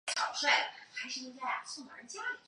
色斑角吻沙蚕为角吻沙蚕科角吻沙蚕属的动物。